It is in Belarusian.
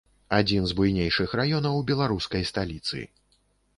Адзін з буйнейшых раёнаў беларускай сталіцы.